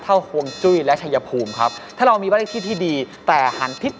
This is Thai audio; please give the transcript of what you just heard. อ๋อต้องมีองค์ประกอบมือมืออีก